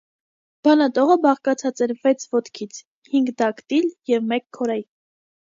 Բանատողը բաղկացած էր վեց ոտքից՝ հինգ դակտիլ և մեկ քորեյ։